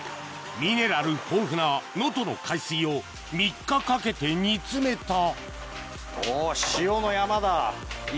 ミネラル豊富な能登の海水を３日かけて煮詰めたおぉ塩の山だ。